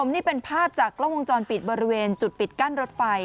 นี่เป็นภาพจากกล้องวงจรปิดบริเวณจุดปิดกั้นรถไฟ